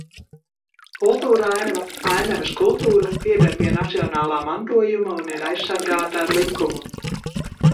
Kultūrainava, ainavas kultūra pieder pie nacionālā mantojuma un ir aizsargāta ar likumu.